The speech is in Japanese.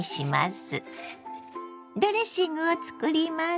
ドレッシングを作ります。